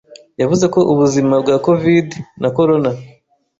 yavuze ko ubuzima bwa Covid na Corona